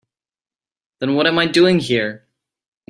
Then what am I doing here?